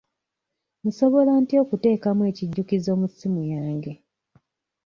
Nsobola ntya okuteekamu ekijjukizo mu ssimu yange?